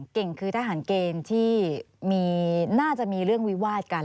เก่งคือทหารเกณฑ์ที่น่าจะมีเรื่องวิวาดกัน